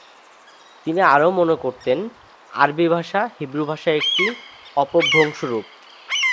তিনি আরও মনে করতেন আরবি ভাষা হিব্রু ভাষার একটি অপভ্রংশ রূপ।